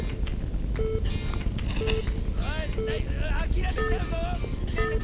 あれあきらめちゃうの⁉ねえねえ